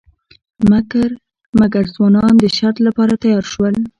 مګر ځوانان د شرط لپاره تیار شول.